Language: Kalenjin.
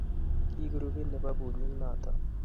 kii grupit nebo bunyik noto.